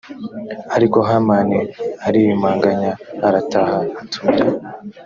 ariko hamani ariyumanganya arataha atumira